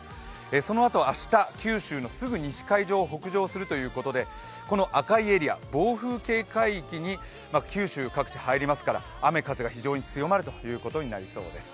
そのあと明日、九州のすぐ西海上を北上するということでこの赤いエリア、暴風警戒域に九州各地入りますから、雨・風が非常に強まることになりそうです。